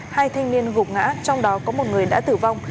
hai thanh niên gục ngã trong đó có một người đã tử vong